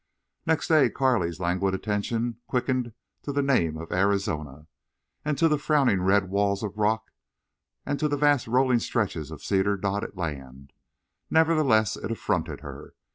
Next day Carley's languid attention quickened to the name of Arizona, and to the frowning red walls of rock, and to the vast rolling stretches of cedar dotted land. Nevertheless, it affronted her.